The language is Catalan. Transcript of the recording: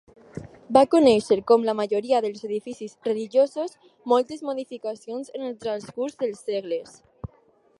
Va conèixer, com la majoria dels edificis religiosos, moltes modificacions en el transcurs dels segles.